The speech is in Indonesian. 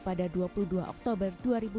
pada dua puluh dua oktober dua ribu dua puluh